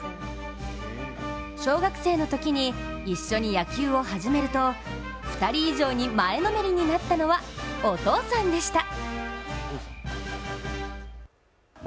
小学生のときに一緒に野球を始めると２人以上に前のめりになったのはお父さんでした。